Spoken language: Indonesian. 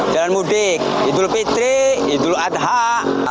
jalan mudik idul fitri idul adha